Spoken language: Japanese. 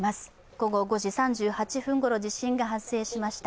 午後５時３８分ごろ地震が発生しました。